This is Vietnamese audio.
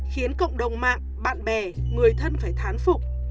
khiến cộng đồng mạng bạn bè người thân phải thán phục